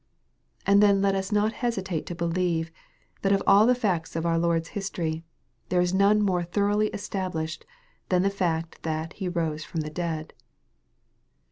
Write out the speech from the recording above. And then let us not hesitate to believe, that of all the facts of our Lord's history, there is none more thoroughly established than the fact, that He rose from the dead.